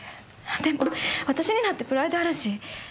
でも私にだってプライドあるし。